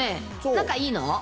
仲いいの？